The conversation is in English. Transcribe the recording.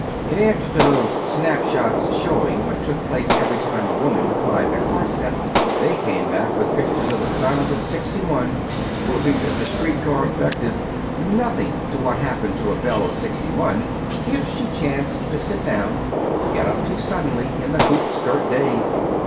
In answer to those snap shots showing what took place every time a woman climbed a car step, they came back with pictures of the styles of '61, proving that the street car effect is nothing to what happened to a belle of '61 if she chanced to sit down or get up too suddenly in the hoop skirt days."